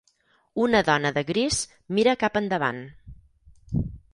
Una dona de gris mira cap endavant.